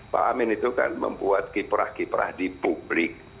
pak amin itu kan membuat kiprah kiprah di publik